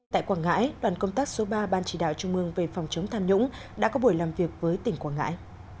tại quảng ngãi đoàn công tác số ba ban chỉ đạo trung mương về phòng chống tham nhũng đã có buổi làm việc với tỉnh quảng ngãi